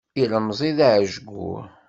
Ilemẓi-a d aɛejgur.